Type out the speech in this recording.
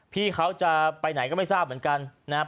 พี่เขาจะไปไหนก็ไม่ทราบเหมือนกันนะครับ